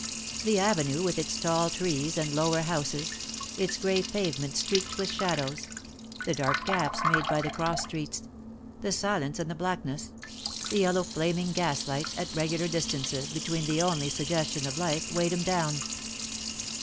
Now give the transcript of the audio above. The avenue with its tall trees and lower houses — its gray pavements streaked with shadows — the dark gaps made by the cross streets — the silence and the blackness — the yellow flaming gas lights at regular dis tances being the only suggestion of life, weighed him down.